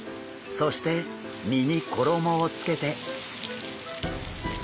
そして身に衣をつけて。